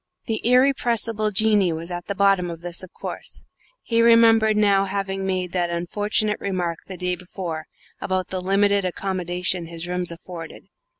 The irrepressible Jinnee was at the bottom of this, of course. He remembered now having made that unfortunate remark the day before about the limited accommodation his rooms afforded.